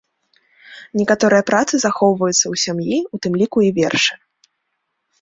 Некаторыя працы захоўваюцца ў сям'і, у тым ліку і вершы.